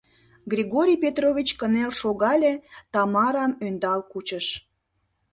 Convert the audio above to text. Григорий Петрович кынел шогале, Тамарам ӧндал кучыш...